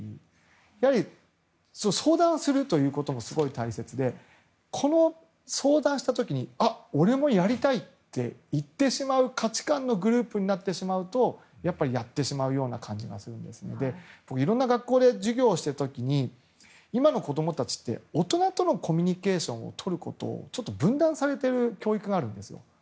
やはり相談をするということもすごく大切で相談した時に俺もやりたいって言ってしまう価値観のグループになるとやってしまうような感じになる気もするのでいろんな学校で授業をしている時に今の子供たちって大人とのコミュニケーションをとることを分断されてる教育があるんです。